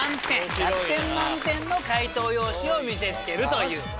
１００点満点の解答用紙を見せつけるという。